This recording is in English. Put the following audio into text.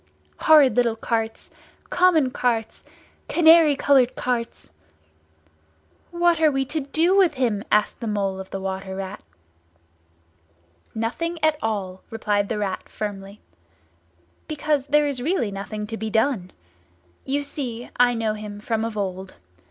Horrid little carts—common carts—canary coloured carts!" "What are we to do with him?" asked the Mole of the Water Rat. "Nothing at all," replied the Rat firmly. "Because there is really nothing to be done. You see, I know him from of old.